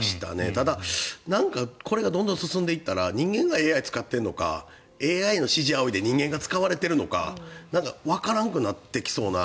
ただ、なんかこれがどんどん進んでいったら人間がＡＩを使っているのかＡＩの指示をあおいで人間が使われているのかわからんくなってきそうな。